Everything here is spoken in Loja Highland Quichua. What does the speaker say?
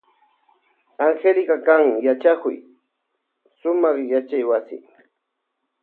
Angélica kan yachakuy sumak yachaywasi.